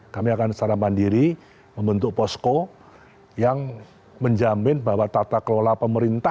kami akan secara mandiri membentuk posko yang menjamin bahwa tata kelola pemerintah